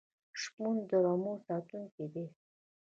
شپون د رمو ساتونکی دی.